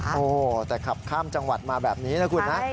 โอ้โหแต่ขับข้ามจังหวัดมาแบบนี้นะคุณนะ